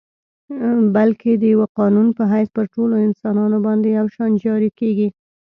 بلکه د یوه قانون په حیث پر ټولو انسانانو باندي یو شان جاري کیږي.